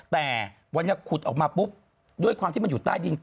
แต่วันนี้ขุดออกมาปุ๊บด้วยความที่มันอยู่ใต้ดิน